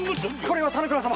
これは田之倉様。